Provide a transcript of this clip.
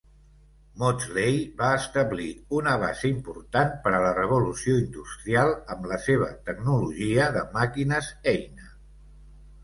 Maudslay va establir una base important per a la Revolució Industrial amb la seva tecnologia de màquines-eina.